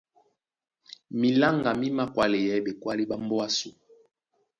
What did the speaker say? Miláŋgá mí mākwáleyɛɛ́ ɓekwálí ɓá mbóa ásū.